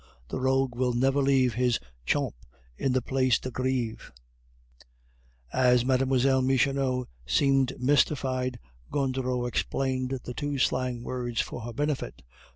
The rogue will never leave his chump in the Place de Greve." As Mlle. Michonneau seemed mystified, Gondureau explained the two slang words for her benefit.